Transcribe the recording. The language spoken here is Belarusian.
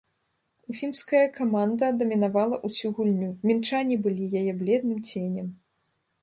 Уфімская каманда дамінавала ўсю гульню, мінчане былі яе бледным ценем.